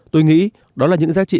tôi nghĩ đó là những giá trị